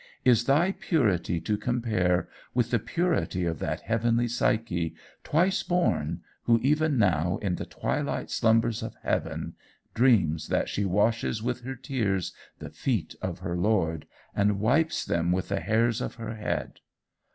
is thy purity to compare with the purity of that heavenly Psyche, twice born, who even now in the twilight slumbers of heaven, dreams that she washes with her tears the feet of her Lord, and wipes them with the hairs of her head?